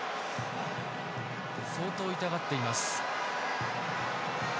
相当、痛がっています。